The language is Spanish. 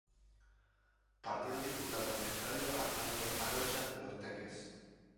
Partido disputado en el estadio Arnaldo Arocha de los Teques.